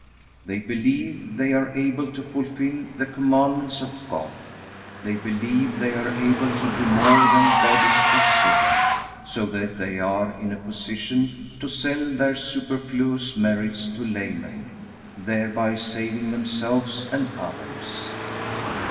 They believe they are able to fulfill the commandments of God. They believe they are able to do more than God expects of them, so that they are in a position to sell their superfluous merits to laymen, thereby saving themselves and others.